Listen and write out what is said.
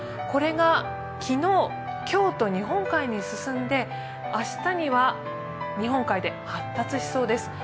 これが昨日、今日と日本海に進んで明日には日本海で発達しそうです。